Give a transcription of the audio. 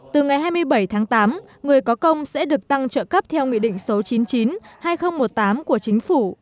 từ ngày hai mươi bảy tháng tám người có công sẽ được tăng trợ cấp theo nghị định số chín mươi chín hai nghìn một mươi tám của chính phủ